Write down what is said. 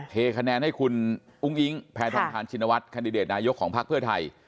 เทคะแนนให้คุณอุ้งอิงแพทองทานชินวัฒแคนดิเดตนายกของพักเพื่อไทย